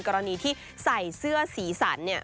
กรณีที่ใส่เสื้อสีสันเนี่ย